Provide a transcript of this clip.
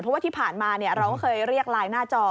เพราะว่าที่ผ่านมาเราก็เคยเรียกไลน์หน้าจอ